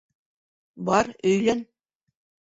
Бар, өйлән!